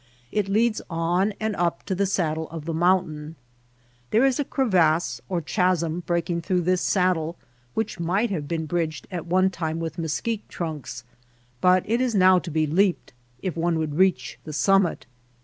It leads on and up to the saddle of the mountain. There is a crevasse or chasm breaking through this saddle which might have been bridged at one time with mesquite trunks, but is now to be leaped if one would reach the summit.